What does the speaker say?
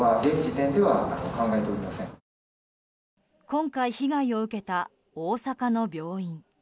今回被害を受けた大阪の病院。